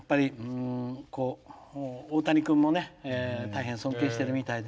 大谷君も大変、尊敬しているみたいで。